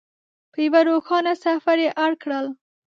په یوه روښانه سفر یې اړ کړل.